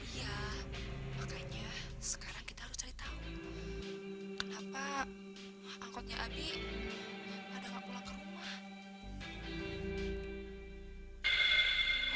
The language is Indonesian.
iya makanya sekarang kita harus cari tahu kenapa angkotnya api pada nggak pulang ke rumah